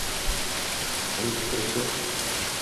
Uning fikricha